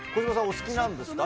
お好きなんですか？